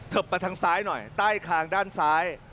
เถิบประทังซ้ายหน่อยใต้คางด้านซ้าย